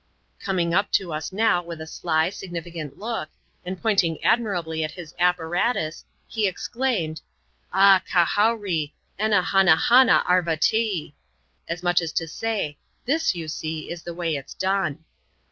Coming up to us now with a sly, significant look, and point ing admiringly at his apparatus, he exclaimed, ^' Ah, karhowree, ena hannahanna arva tee I" as much as to say, This, you see, is the way it's done."